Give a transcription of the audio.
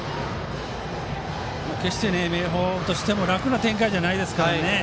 決して明豊としても楽な展開じゃないですからね。